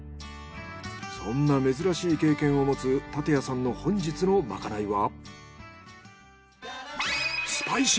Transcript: そんな珍しい経験を持つ竪谷さんの本日のまかないは？